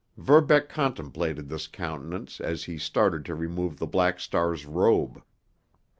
Verbeck contemplated this countenance as he started to remove the Black Star's robe.